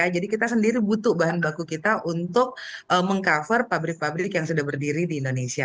jadi kita sendiri butuh bahan baku kita untuk meng cover pabrik pabrik yang sudah berdiri di indonesia